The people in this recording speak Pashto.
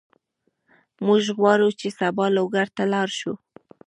موږ غواړو چې سبا لوګر ته لاړ شو.